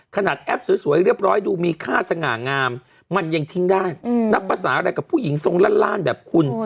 แอปสวยเรียบร้อยดูมีค่าสง่างามมันยังทิ้งได้นับภาษาอะไรกับผู้หญิงทรงล่านแบบคุณ